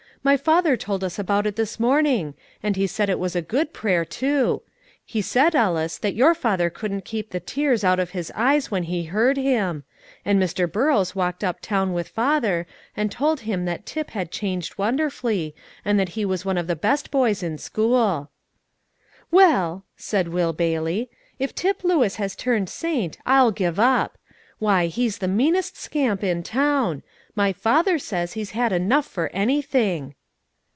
"My father told us about it this morning, and he said it was a good prayer too; he said, Ellis, that your father couldn't keep the tears out of his eyes when he heard him; and Mr. Burrows walked up town with father, and told him that Tip had changed wonderfully, that he was one of the best boys in school." "Well," said Will Bailey, "if Tip Lewis has turned saint, I'll give up. Why, he's the meanest scamp in town; my father says he's had enough for anything."